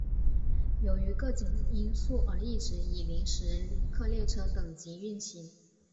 由于各种因素而一直以临时旅客列车等级运行。